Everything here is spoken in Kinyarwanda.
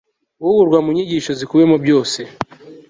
guhugurwa mu nyigisho zikubiyemo byose